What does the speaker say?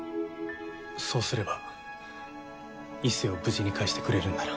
そうすれば壱成を無事にかえしてくれるんだな？